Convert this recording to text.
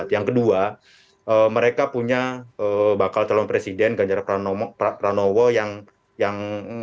yang kedua mereka punya bakal calon presiden ganjar pranowo yang